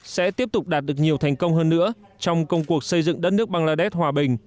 sẽ tiếp tục đạt được nhiều thành công hơn nữa trong công cuộc xây dựng đất nước bangladesh hòa bình